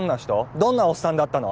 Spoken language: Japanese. どんなおっさんだったの？